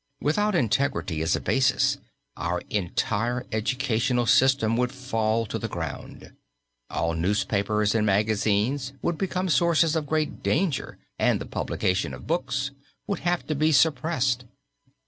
Without integrity as a basis, our entire educational system would fall to the ground; all newspapers and magazines would become sources of great danger and the publication of books would have to be suppressed.